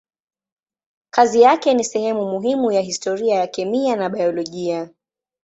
Kazi yake ni sehemu muhimu ya historia ya kemia na biolojia.